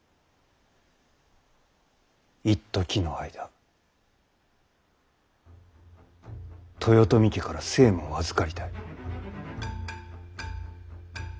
いっときの間豊臣家から政務を預かりたい。